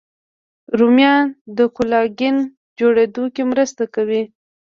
رومیان د کولاګین جوړېدو کې مرسته کوي